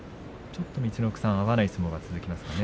ちょっと陸奥さん合わない相撲が続きますね。